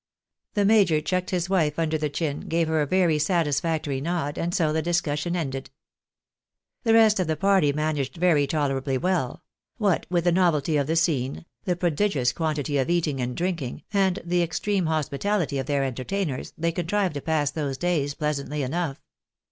The major chucked his wife under the chin, gave her a very satisfactory nod, and so the discussion ended. The rest of the party managed very tolerably well ; what with the novelty of the scene, the prodigious quantity of eating and drinking, and the extreme hospitality of their entertainers, they contrived to pass those days pleasantly enough.